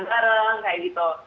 kita bareng kayak gitu